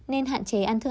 nên hạn chế ăn thức ăn